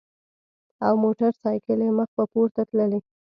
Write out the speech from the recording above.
او موټر ساېکلې مخ پۀ پورته تللې ـ